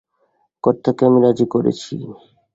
কর্তাকে আমি রাজি করেছি।